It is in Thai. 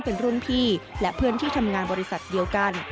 เป็นรุ่นพี่และเพื่อนที่ทำงานบริษัทเดียวกัน